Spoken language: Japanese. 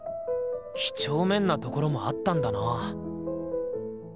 きちょうめんなところもあったんだな。